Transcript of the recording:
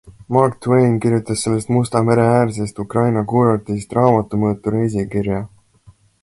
Mark Twain kirjutas sellest Musta mere äärsest Ukraina kuurordist raamatumõõtu reisikirja.